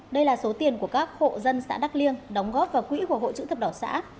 đây là số tiền của các hộ dân xã đắk liêng đóng góp vào quỹ của hội chữ thập đỏ xã